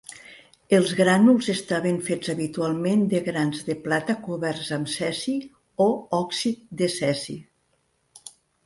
Els grànuls estaven fets habitualment de grans de plata coberts amb cesi o òxid de cesi.